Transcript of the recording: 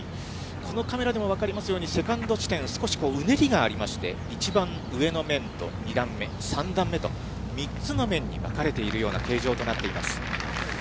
このカメラでも分かりますように、セカンド地点、少しうねりがありまして、一番上の面と２段目、３段目と、３つの面に分かれているような形状となっています。